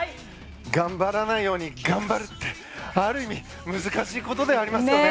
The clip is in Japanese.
頑張らないように頑張るってある意味、難しいことではありますよね。